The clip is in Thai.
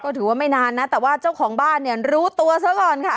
ถือว่าไม่นานนะแต่ว่าเจ้าของบ้านเนี่ยรู้ตัวซะก่อนค่ะ